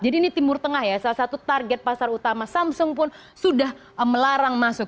jadi ini timur tengah ya salah satu target pasar utama samsung pun sudah melarang masuk